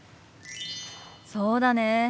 そうだね。